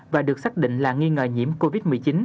và được xác định là nghi ngờ nhiễm covid một mươi chín